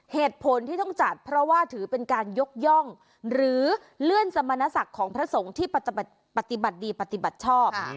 เหตุผลที่ต้องจัดเพราะว่าถือเป็นการยกย่องหรือเลื่อนสมณศักดิ์ของพระสงฆ์ที่ปฏิบัติดีปฏิบัติชอบ